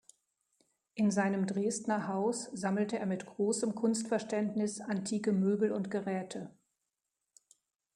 In seinem Dresdner Haus sammelte er mit großem Kunstverständnis antike Möbel und Geräte.